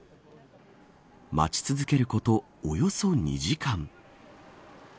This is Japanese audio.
待ち続けること、およそ２時間。